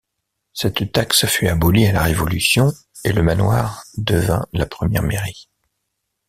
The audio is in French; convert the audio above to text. Cette taxe fut abolie à la Révolution et le manoir devint la première mairie.